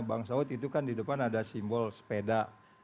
bang saud itu kan di depan ada simbol sepeda